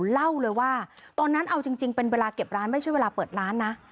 เล่าเลยว่าตอนนั้นเอาจริงเป็นเวลาเก็บร้านไม่ใช่เวลาเปิดร้านนะ